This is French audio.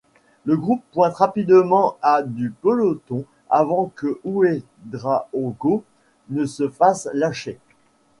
Le groupe pointe rapidement à du peloton avant que Ouédraogo ne se fasse lâché.